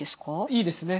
いいですね。